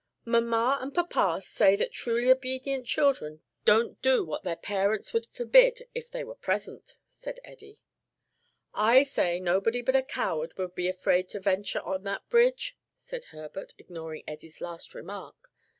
"Mamma and papa say that truly obedient children don't do what they know their parents would forbid if they were present," said Eddie. "I say nobody but a coward would be afraid to venture on that bridge," said Herbert, ignoring Eddie's last remark.